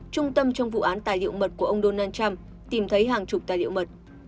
trung tâm trong vụ án tài liệu mật của ông donald trump tìm thấy hàng chục tài liệu mật